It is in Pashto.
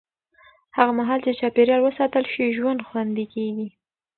هغه مهال چې چاپېریال وساتل شي، ژوند خوندي کېږي.